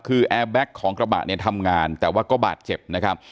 คือแอร์แบ็คของกระบะเนี่ยทำงานแต่ว่าก็บาดเจ็บนะครับ